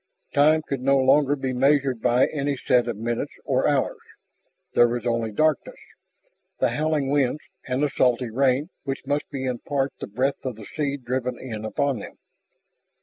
Time could no longer be measured by any set of minutes or hours. There was only darkness, the howling winds, and the salty rain which must be in part the breath of the sea driven in upon them.